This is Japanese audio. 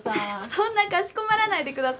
そんなかしこまらないでください。